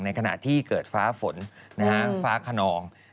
ขณะที่เกิดฟ้าฝนฟ้าขนอง